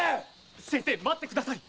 先生待ってください！